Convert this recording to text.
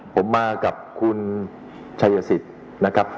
ผมมากับคุณชัยสิทธิ์นะครับ